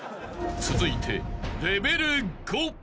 ［続いて］